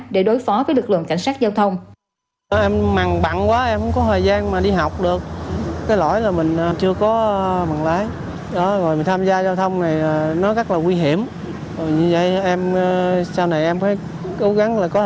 để đối phó với lực lượng cảnh sát giao thông